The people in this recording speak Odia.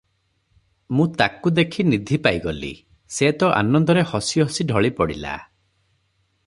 ମୁଁ ତାକୁ ଦେଖି ନିଧି ପାଇଗଲି, ସେ ତ ଆନନ୍ଦରେ ହସି ହସି ଢଳି ପଡ଼ିଲା ।